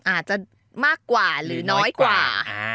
อาจจะมากกว่าหรือน้อยกว่า